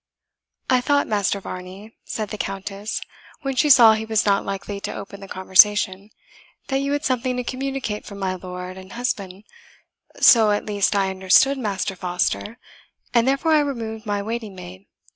"I thought, Master Varney," said the Countess, when she saw he was not likely to open the conversation, "that you had something to communicate from my lord and husband; so at least I understood Master Foster, and therefore I removed my waiting maid.